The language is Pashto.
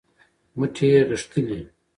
مټې یې غښتلې